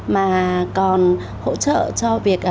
mà còn hỗ trợ cho việc